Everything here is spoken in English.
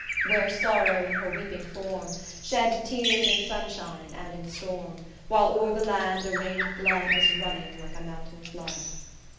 _Where sorrow in her weeping form, Shed tears in sunshine, and in storm, While o'er the land, a reign of blood Was running like a mountain flood!